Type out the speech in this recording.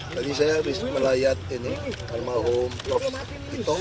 tadi saya melihat ini normal home top hitung balik hitung